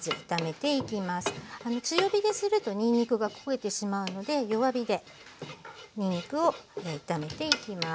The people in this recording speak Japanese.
強火でするとにんにくが焦げてしまうので弱火でにんにくを炒めていきます。